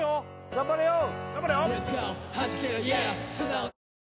頑張れよ！